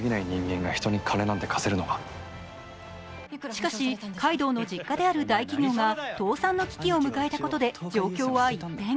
しかし階堂の実家である大企業が倒産の危機を迎えたことで状況は一変。